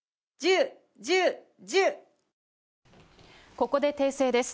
ここで訂正です。